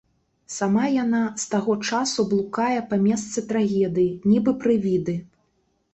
Сама яна з таго часу блукае па месцы трагедыі, нібы прывіды.